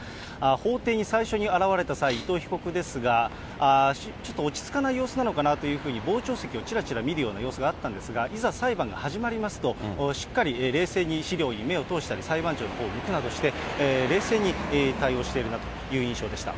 法廷に最初に現れた際、伊藤被告ですが、ちょっと落ち着かない様子なのかなというふうに、傍聴席をちらちら見る様子があったんですが、いざ、裁判が始まりますと、しっかり冷静に資料に目を通したり、裁判長のほうを向くなどして冷静に対応しているなという印象でした。